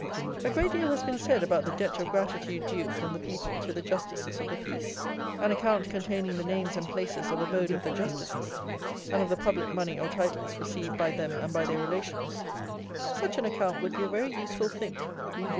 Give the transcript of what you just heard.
A great deal has been said about the debt of gratitude due from the people to the Justices of the Peace. An account, containing the names and places of abode of the Justices, and of the public money, or titles, received by them and by their relations; such an account would be a very useful thing.